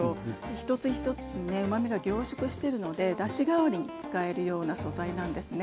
一つ一つにねうまみが凝縮してるのでだし代わりに使えるような素材なんですね。